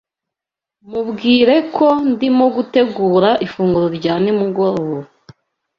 Mubwire ko ndimo gutegura ifunguro rya nimugoroba.